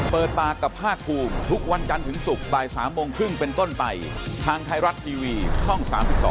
เปิดปากกับภาคภูมิทุกวันจันทร์ถึงศุกร์บ่าย๓โมงครึ่งเป็นต้นไปทางไทยรัฐทีวีช่อง๓๒